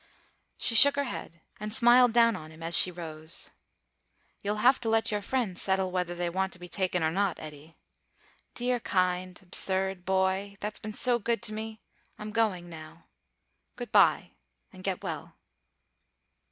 She shook her head and smiled down on him as she rose. "You'll have to let your friends settle whether they want to be taken or not, Eddy.... Dear, kind, absurd boy, that's been so good to me, I'm going now. Goodbye, and get well."